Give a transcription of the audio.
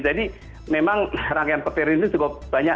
jadi memang rangkaian petir ini cukup banyak